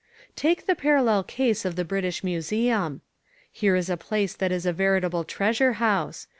Take the parallel case of the British Museum. Here is a place that is a veritable treasure house.